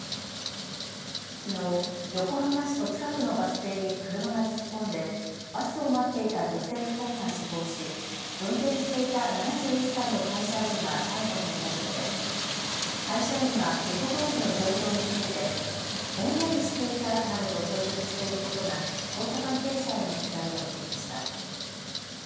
きのう、横浜市戸塚区のバス停に車が突っ込んでバスを待っていた女性２人が死亡し運転していた７１歳の会社員が逮捕された事故で会社員が事故当時の状況についてぼんやりしていたなどと供述していることが捜査関係者への取材で分かりました。